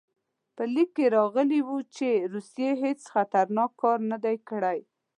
په لیک کې راغلي وو چې روسیې هېڅ خطرناک کار نه دی کړی.